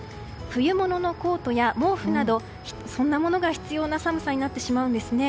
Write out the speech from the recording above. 冬物のコートや毛布などそんなものが必要な寒さになってしまうんですね。